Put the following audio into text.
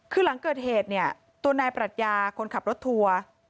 คือหลังเกิดเหตุเนี่ยตัวนายปรัชญาคนขับรถทัวร์